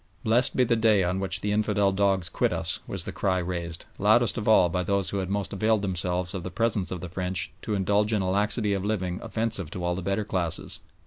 "Blessed be the day on which the infidel dogs quit us," was the cry raised, loudest of all by those who had most availed themselves of the presence of the French to indulge in a laxity of living offensive to all the better classes.